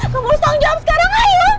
kamu harus tanggung jawab sekarang ayo